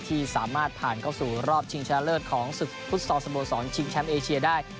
ที่สามารถผ่านเข้าสู่รอบชิงชนะเลิศของศึกฟุตซอลสโมสรชิงแชมป์เอเชียได้